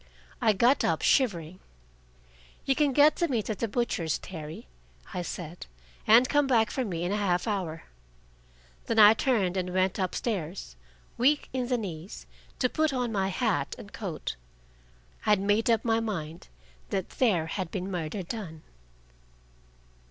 I got up shivering. "You can get the meat at the butcher's, Terry," I said, "and come back for me in a half hour." Then I turned and went up stairs, weak in the knees, to put on my hat and coat. I had made up my mind that there had been murder done.